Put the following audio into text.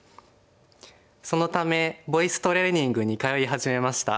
そのためボイストレーニングに通い始めました。